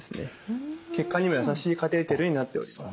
血管にも優しいカテーテルになっております。